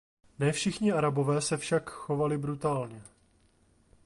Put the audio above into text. Ne všichni Arabové se však chovali brutálně.